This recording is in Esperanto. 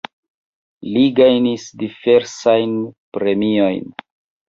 Li gajnis diversajn premiojn.